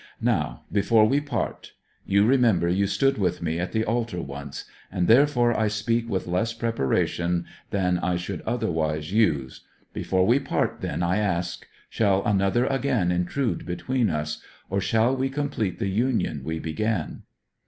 Now, before we part: you remember you stood with me at the altar once, and therefore I speak with less preparation than I should otherwise use. Before we part then I ask, shall another again intrude between us? Or shall we complete the union we began?'